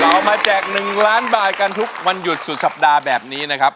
เอามาแจก๑ล้านบาทกันทุกวันหยุดสุดสัปดาห์แบบนี้นะครับ